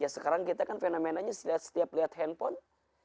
sekarang kita kan fenomenanya setiap lihat handphone